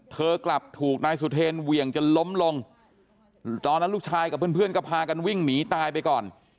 เธอกลับถูกนายสุเทรนเหวี่ยงจนล้มลงตอนนั้นลูกชายกับเพื่อนก็พากันวิ่งหนีตายไปก่อน